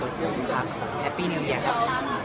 สุขภาพครับผมแอปปี้นิวเยียร์ครับ